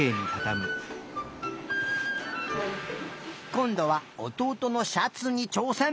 こんどはおとうとのシャツにちょうせん。